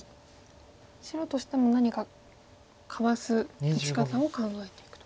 白としても何かかわす打ち方を考えていくと。